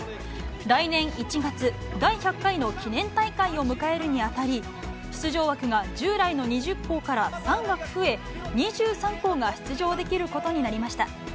来年１月、第１００回の記念大会を迎えるにあたり、出場枠が従来の２０校から３枠増え、２３校が出場できることになりました。